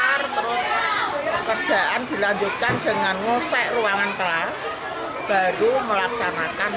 terus pekerjaan dilanjutkan dengan ngosek ruangan kelas